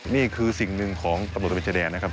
นี่คือสิ่งหนึ่งของตำรวจระวิชายแดนนะครับ